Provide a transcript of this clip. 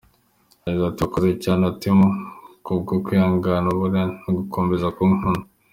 Yagize ati “Wakoze cyane Atim kubwo kwihangana, uburwaneza no gukomeza kunkunda.